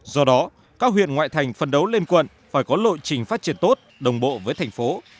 do đó các huyện ngoại thành phân đấu lên quận phải có lộ trình phát triển tốt đồng bộ với thành phố